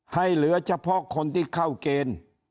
เหลือเฉพาะคนที่เข้าเกณฑ์